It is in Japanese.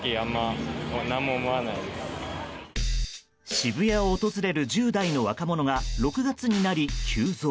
渋谷を訪れる１０代の若者が６月になり急増。